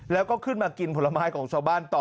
แล้วก็ขึ้นมากินผลไม้ของชาวบ้านต่อ